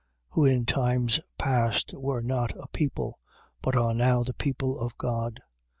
Who in times past were not a people: but are now the people of God.